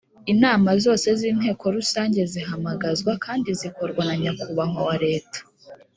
Inama zose z Inteko Rusange zihamagazwa kandi zikorwa na nyakubahwa wa leta